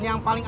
ya makasih ya